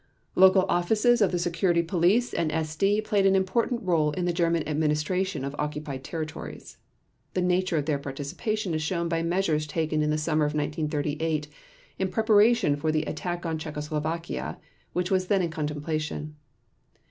Local offices of the Security Police and SD played an important role in the German administration of occupied territories. The nature of their participation is shown by measures taken in the summer of 1938 in preparation for the attack on Czechoslovakia which was then in contemplation.